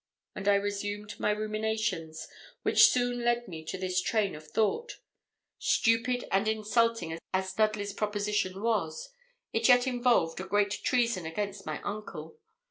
And I resumed my ruminations, which soon led me to this train of thought 'Stupid and insulting as Dudley's proposition was, it yet involved a great treason against my uncle.